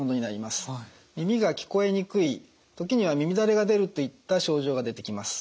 耳が聞こえにくい時には耳だれが出るといった症状が出てきます。